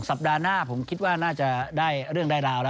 สัปดาห์หน้าผมคิดว่าน่าจะได้เรื่องได้ราวแล้ว